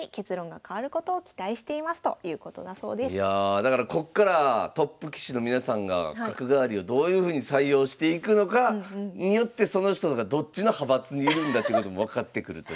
いやだからこっからトップ棋士の皆さんが角換わりをどういうふうに採用していくのかによってその人がどっちの派閥にいるんだってことも分かってくるということで。